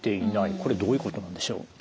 これどういうことなんでしょう？